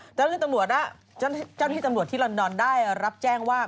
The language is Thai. เจ้าที่ตำรวจที่ลอนดอนได้รับแจ้งว่า